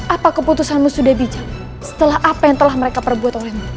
apa keputusanmu sudah bijak setelah apa yang telah mereka perbuat olehmu